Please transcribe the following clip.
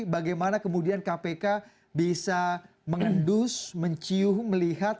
bagaimana kemudian kpk bisa mengendus mencium melihat